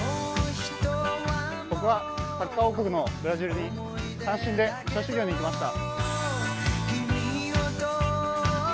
僕はサッカー王国のブラジルに単身で武者修行に行きました。